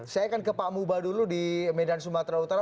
saya akan ke pak muba dulu di medan sumatera utara